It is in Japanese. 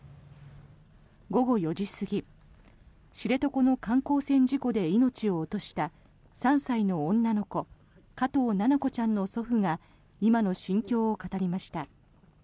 午後４時過ぎ知床の観光船事故で命を落とした３歳の女の子加藤七菜子ちゃんの祖父が今の心境を語りました。